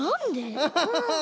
フフフフ。